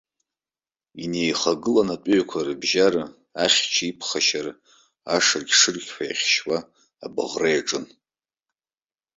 Инеихагылан, атәыҩақәа рыбжьара ахьча иԥхашьара ашырқь-шырқьҳәа иахьшьуа абӷра иаҿын.